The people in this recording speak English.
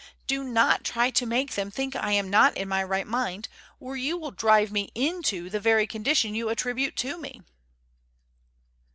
Do not try to make them think I am not in my right mind, or you will drive me into the very condition you attribute to me."